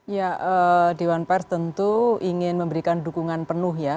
ya dewan pers tentu ingin memberikan dukungan penuh ya